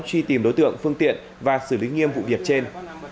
truy tìm đối tượng phương tiện và xử lý nghiêm vụ việc trên